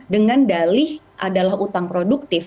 dengan dalih adalah utang produktif